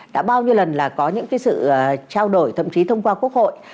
đã bao nhiêu lần là có những cái sự trao đổi thậm chí thông qua quốc hội